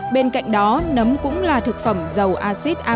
bên cạnh đó nấm cũng là thực phẩm dầu acid